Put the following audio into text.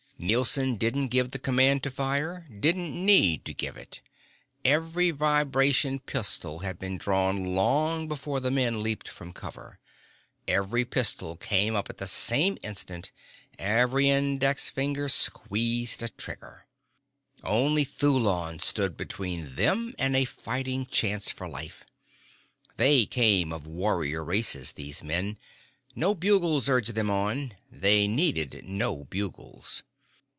Nielson didn't give the command to fire, didn't need to give it. Every vibration pistol had been drawn long before the men leaped from cover. Every pistol came up at the same instant, every index finger squeezed a trigger. Only Thulon stood between them and a fighting chance for life. They came of warrior races, these men. No bugles urged them on. They needed no bugles.